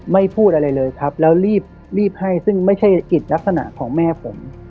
พูดอะไรเลยครับแล้วรีบให้ซึ่งไม่ใช่กิจลักษณะของแม่ผม